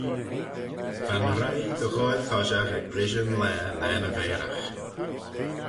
Va'n roie dy ghoaill toshiaght ec brishey yn laa laa ny vairagh.